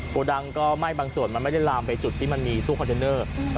โกดังก็ไหม้บางส่วนมันไม่ได้ลามไปจุดที่มันมีตู้คอนเทนเนอร์